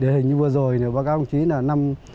hình như vừa rồi báo cáo công chí là năm hai nghìn một mươi chín